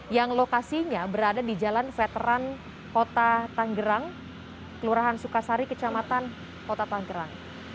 yang lokasinya berada di jalan veteran kota tanggerang kelurahan sukasari kecamatan kota tanggerang